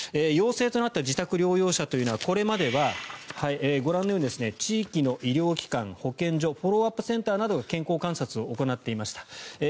陽性となった自宅療養者というのはこれまではご覧のように地域の医療機関、保健所フォローアップセンターなどが健康観察を行っていました。